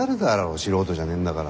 素人じゃねえんだから。